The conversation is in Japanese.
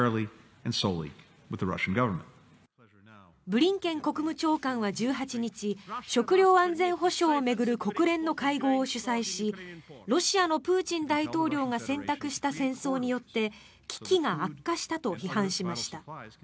ブリンケン国務長官は１８日食糧安全保障を巡る国連の会合を主催しロシアのプーチン大統領が選択した戦争によって危機が悪化したと批判しました。